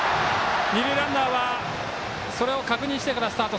二塁ランナーはそれを確認してからスタート。